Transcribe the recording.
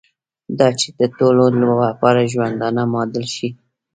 دا چې د ټولو لپاره ژوندانه ماډل شي.